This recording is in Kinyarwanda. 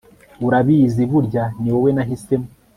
Urabizi burya niwowe nahisemo